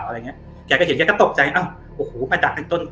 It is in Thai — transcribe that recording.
อะไรอย่างเงี้ยแกก็เห็นแกก็ตกใจอ้าวโอ้โหมาจากเป็นต้น